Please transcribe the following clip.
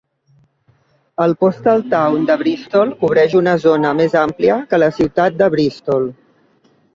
El "postal town" de Bristol cobreix una zona més amplia que la ciutat de Bristol.